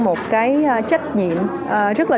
một cái trách nhiệm rất là